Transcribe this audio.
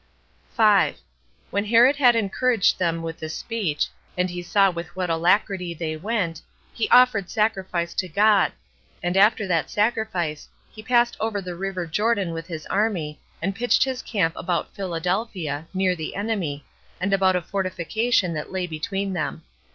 When Herod had encouraged them by this speech, and he saw with what alacrity they went, he offered sacrifice to God; and after that sacrifice, he passed over the river Jordan with his army, and pitched his camp about Philadelphia, near the enemy, and about a fortification that lay between them.